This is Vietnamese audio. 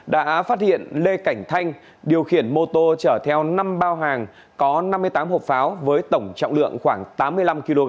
đã phát hiện lê cảnh thanh điều khiển mô tô chở theo năm bao hàng có năm mươi tám hộp pháo với tổng trọng lượng khoảng tám mươi năm kg